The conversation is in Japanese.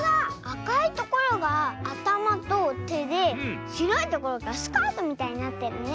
あかいところがあたまとてでしろいところがスカートみたいになってるね。